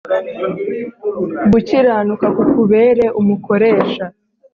Gukiranuka kukubere umukoresha